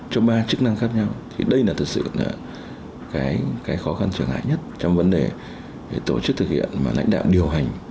tổ chức thực hiện lãnh đạo điều hành